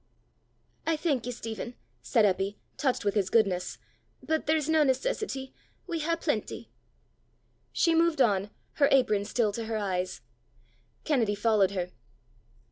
"I thank ye, Stephen," said Eppy, touched with his goodness; "but there's nae necessity; we hae plenty." She moved on, her apron still to her eyes. Kennedy followed her.